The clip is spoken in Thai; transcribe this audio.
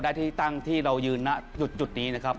ที่ตั้งที่เรายืนนะจุดนี้นะครับ